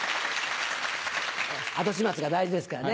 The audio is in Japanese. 後始末が大事ですからね。